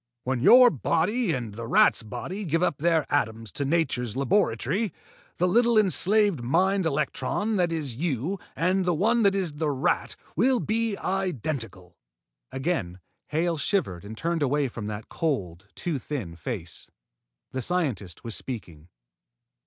When your body and the rat's body give up their atoms to nature's laboratory, the little enslaved mind electron that is you and the one that is the rat will be identical." Again Hale shivered and turned away from that cold, too thin face. The scientist was speaking.